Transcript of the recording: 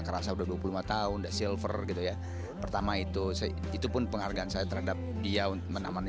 kerasa udah dua puluh lima tahun silver gitu ya pertama itu itu pun penghargaan saya terhadap dia untuk menaman